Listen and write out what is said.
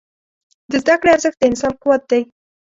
د زده کړې ارزښت د انسان قوت دی.